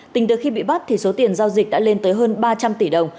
tính từ khi bị bắt số tiền giao dịch đã lên tới hơn ba trăm linh tỷ đồng